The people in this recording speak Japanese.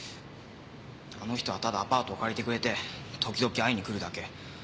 あの人はただアパート借りてくれて時々会いに来るだけ。